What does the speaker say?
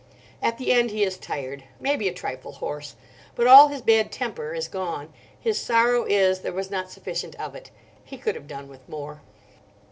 At the end he is tired, maybe a trifle hoarse. But all his bad temper is gone. His sorrow is there was not sufficient of it. He could have done with more.